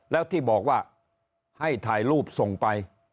แล้วที่บอกว่าให้ถ่ายรูปส่งไป